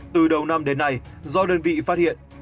từ đầu năm đến nay do đơn vị phát hiện